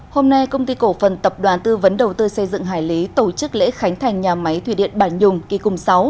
hôm nay công ty cổ phần tập đoàn tư vấn đầu tư xây dựng hải lý tổ chức lễ khánh thành nhà máy thủy điện bản nhung kỳ cùng sáu